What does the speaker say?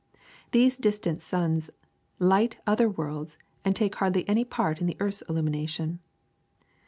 These dis tant suns light other worlds and take hardly any part in the earth's illumination.